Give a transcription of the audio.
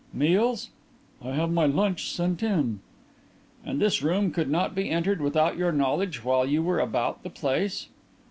"Meals?" "I have my lunch sent in." "And this room could not be entered without your knowledge while you were about the place?"